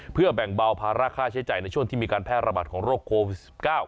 เพื่อแบ่งเบาภาระค่าใช้จ่ายในช่วงที่มีการแพร่ระบาดของโรคโควิด๑๙